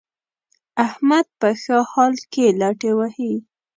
احمد په ښه حال کې لتې وهي.